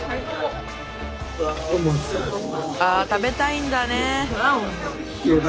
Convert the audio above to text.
あ食べたいんだね。